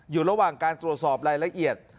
อยู่ระหว่างการตรวจสอบรายละเอียด